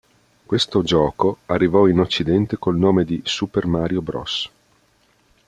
Questo gioco arrivò in Occidente col nome di "Super Mario Bros.